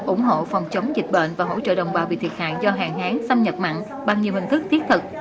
ủng hộ phòng chống dịch bệnh và hỗ trợ đồng bào bị thiệt hại do hạn hán xâm nhập mặn bằng nhiều hình thức thiết thực